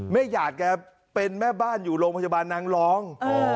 ไม่อยากแกเป็นแม่บ้านอยู่โรงพยาบาลนางรอง